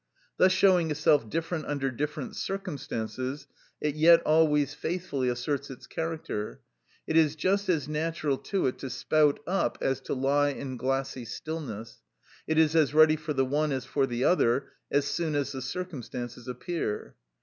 Thus showing itself different under different circumstances, it yet always faithfully asserts its character; it is just as natural to it to spout up as to lie in glassy stillness; it is as ready for the one as for the other as soon as the circumstances appear.